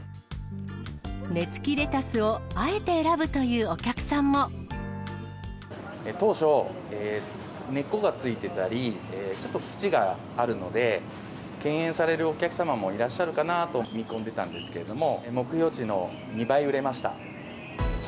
根付きレタスをあえて選ぶと当初、根っこが付いてたり、ちょっと土があるので、敬遠されるお客様もいらっしゃるかなと見込んでたんですけれども、目標値の２倍売れました。